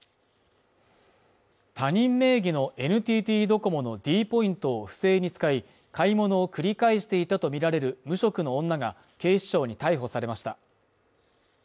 他人名義のＮＴＴドコモのｄポイントを不正に使い買い物を繰り返していたとみられる無職の女が警視庁に逮捕されました。